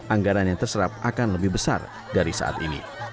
anggaran yang terserap akan lebih besar dari saat ini